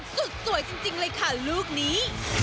สุดสวยจริงเลยค่ะลูกนี้